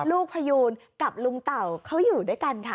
พยูนกับลุงเต่าเขาอยู่ด้วยกันค่ะ